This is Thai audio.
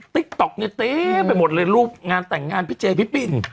ติ๊กต๊อกเนี่ยเต็มไปหมดเลยรูปงานแต่งงานพี่เจพี่ปิ่น